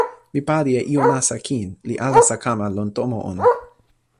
mi pali e ijo nasa kin, li alasa kama lon tomo ona.